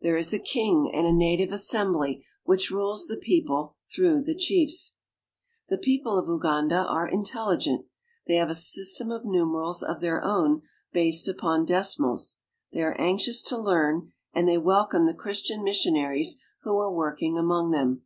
There is a king and a native assembly which rules the people through the chiefs. m UGANDA 145 The people of Uganda are intelligenL They have a Lsystem of numerals of their own based upon decimals. [ They are anxious to learn, and they welcome the Christian missionaries who are working among them.